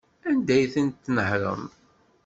Anda ay tent-tnehṛem?